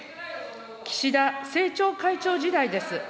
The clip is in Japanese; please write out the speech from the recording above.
岸田政調会長時代です。